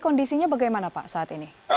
kondisinya bagaimana pak saat ini